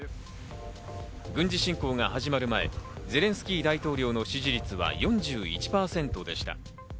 軍事侵攻が始まる前ゼレンスキー大統領の支持率は４１％でした。